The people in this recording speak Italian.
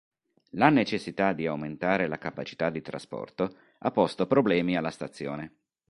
La necessità di aumentare la capacità di trasporto ha posto problemi alla stazione.